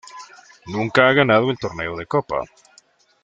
Nunca ha ganado el torneo de copa.